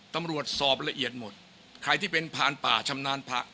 ตำรวจสอบละเอียดหมดใครที่เป็นพานป่าชำนาญพระ